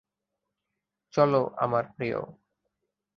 চলো আমার প্রিয়।